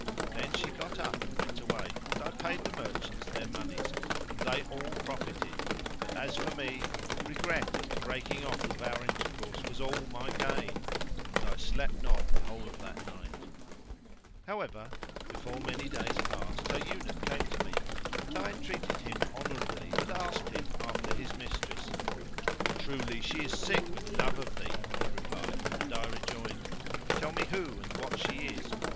Then she got up and went away, and I paid the merchants their monies and they all profited; but as for me, regret at the breaking off of our intercourse was all my gain; and I slept not the whole of that night. However, before many days passed her eunuch came to me, and I entreated him honourably and asked him after his mistress. "Truly she is sick with love of thee," he replied and I rejoined, "Tell me who and what she is."